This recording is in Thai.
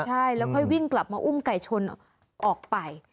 ใช่แล้วค่อยวิ่งกลับมาอุ้มไก่ชนออกไป